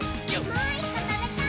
もう１こ、たべたい！